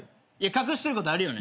隠してることあるよね。